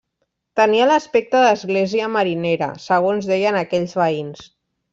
Tenia l'aspecte d'església marinera, segons deien aquells veïns.